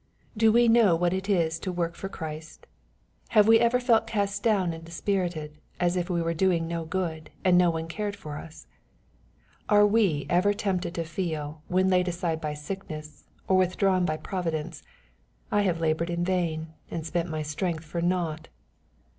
Do we know what it is to work for Christ ? Have we ever felt cast down and dispirited, as if we were doing no good, and no one cared for us ? Are we ever tempted to feel, when laid aside by sickness, or withdrawn by provi dence, " I have labored in vain, and spent my strength for nought